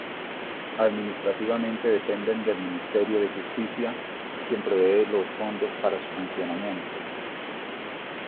Administrativamente dependen del Ministerio de Justicia, quien provee los fondos para su funcionamiento.